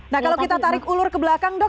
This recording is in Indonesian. nah kalau kita tarik ulur ke belakang dok